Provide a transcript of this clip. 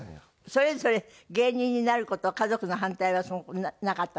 それぞれ芸人になる事家族の反対はなかったんですか？